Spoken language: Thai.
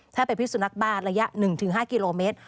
ถ้าเป็นพิสุนักบ้าระยะ๑๕กิโลเมตร